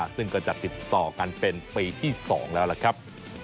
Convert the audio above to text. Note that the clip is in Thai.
ซึ่งก็จะติดต่อกันเป็นปีที่๒แล้วล่ะครับ